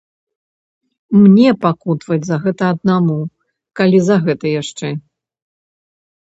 Мне пакутаваць за гэта аднаму, калі за гэта яшчэ.